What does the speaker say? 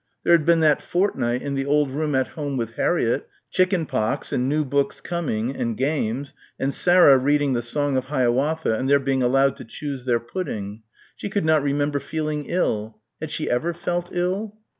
There had been that fortnight in the old room at home with Harriett ... chicken pox and new books coming and games, and Sarah reading the Song of Hiawatha and their being allowed to choose their pudding. She could not remember feeling ill. Had she ever felt ill?...